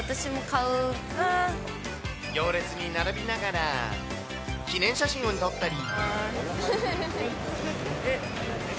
行列に並びながら、記念写真を撮ったり。